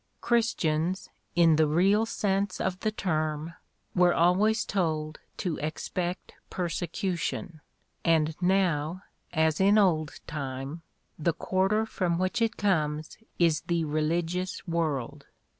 Christians, in the real sense of the term, were always told to expect persecution and now, as in old time, the quarter from which it comes is the religious world.